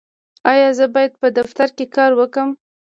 ایا زه باید په دفتر کې کار وکړم؟